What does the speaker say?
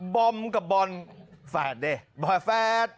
บอมกับบอลแฟด